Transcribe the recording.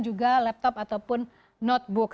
juga laptop ataupun notebook